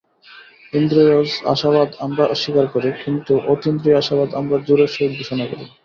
ইন্দ্রিয়জ আশাবাদ আমরা অস্বীকার করি, কিন্তু অতীন্দ্রিয় আশাবাদ আমরা জোরের সহিত ঘোষণা করি।